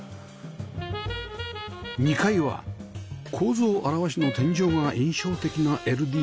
２階は構造現しの天井が印象的な ＬＤＫ